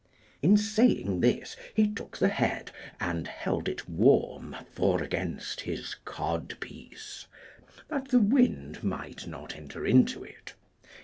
In saying this, he took the head and held it warm foregainst his codpiece, that the wind might not enter into it.